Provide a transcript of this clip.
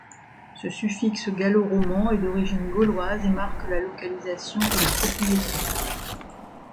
Ce suffixe gallo roman est d'origine gauloise et marque la localisation et la propriété.